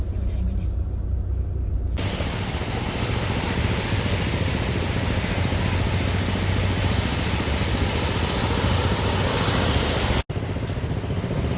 เมื่อเวลาอันดับสุดท้ายจะมีเวลาอันดับสุดท้ายมากกว่า